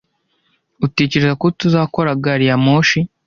Utekereza ko tuzakora gari ya moshi?